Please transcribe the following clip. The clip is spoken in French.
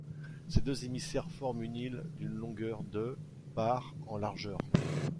Ces deux émissaires forment une île d’une longueur de par en largeur.